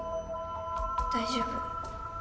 大丈夫。